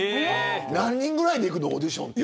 何人ぐらいで行くのオーディションって。